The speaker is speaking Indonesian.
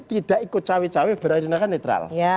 tidak ikut cewek cewek berarti netral